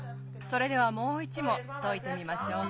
それではもう一もんといてみましょう。